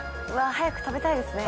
早く食べたいですね。